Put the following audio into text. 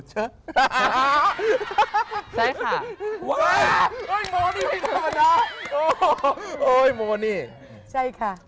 ใช่ค่ะ